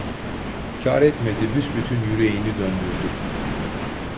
Kar etmedi, büsbütün yüreğini döndürdü.